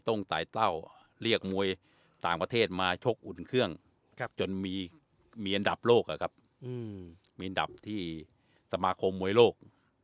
ตายเต้าเรียกมวยต่างประเทศมาชกอุ่นเครื่องจนมีอันดับโลกมีอันดับที่สมาคมมวยโลก